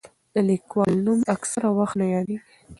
د لیکوال نوم اکثره وخت نه یادېږي.